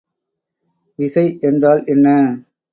விசை என்றால் என்ன?